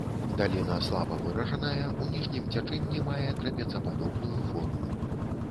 Даліна слаба выражаная, у ніжнім цячэнні мае трапецападобную форму.